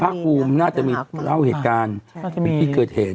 พระคุมน่าจะมีเล่าเหตุการณ์มีพิเกิดเหตุ